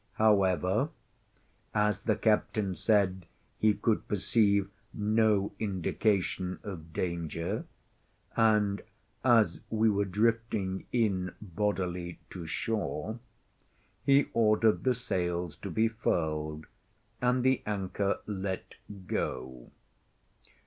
However, as the captain said he could perceive no indication of danger, and as we were drifting in bodily to shore, he ordered the sails to be furled, and the anchor let go.